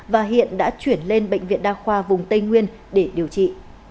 và hiện đã chuyển lên bệnh viện đa khoa vùng tây nguyên để điều trị